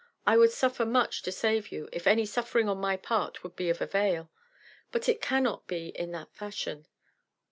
I would suffer much to save you, if any suffering on my part would be of avail. But it cannot be in that fashion."